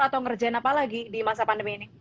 atau ngerjain apa lagi di masa pandemi ini